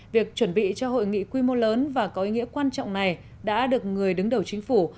việc chuẩn bị cho hội nghị quy mô lớn và có ý nghĩa quan trọng này đã được người đứng đầu chính phủ